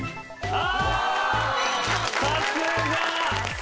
あ！